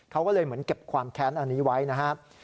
เขาก็เลยเหมือนเก็บความแค้นหน่อยนะครับ